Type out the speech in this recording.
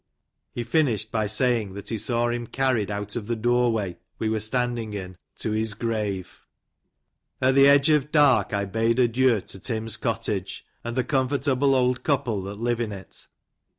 He finished by saying that he saw bim carried out of tbe door way we were standing in, to his grave. At tbe edge of dark, I bade adieu to Tim's cottage, and the comfortable old couple that live in it.